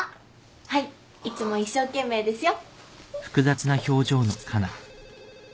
はいいつも一生懸命ですよ。